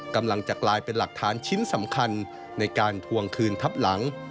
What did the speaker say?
กำลังจะกลายเป็นหลักฐานชิ้นสำคัญในการทวงคืนทับหลัง